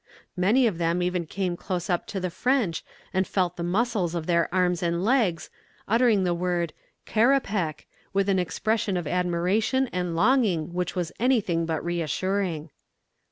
Many of them even came close up to the French and felt the muscles of their arms and legs, uttering the word Karapek, with an expression of admiration and longing which was anything but reassuring.